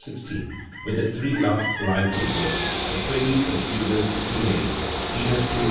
16), with the three last Leipzig works the preludes and fugues in C major (Peters II, No.